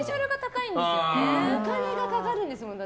お金がかかるんですもん。